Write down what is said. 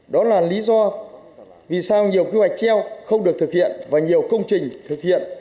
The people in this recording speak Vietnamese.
đó là lý do vì sao nhiều kế hoạch treo không được thực hiện và nhiều công trình thực hiện